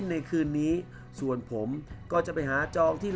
เดี๋ยวให้พี่เสาส์เช็ค